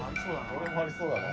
どれもありそうだね。